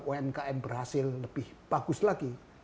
kalau program onkm berhasil lebih bagus lagi